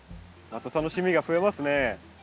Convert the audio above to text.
また楽しみがふえますね。